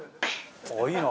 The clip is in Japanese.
ああいいな。